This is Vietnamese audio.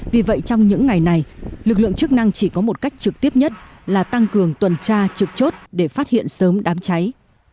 vì vậy trong những ngày này lực lượng chức năng chỉ có một cách trực tiếp nhất là tăng cường tuần tra trực chốt để phát hiện sớm đám cháy